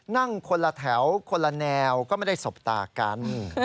นั่งคนละแถวคนละแนวก็ไม่ได้สบตากัน